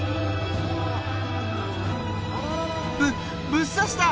ぶっぶっ刺した！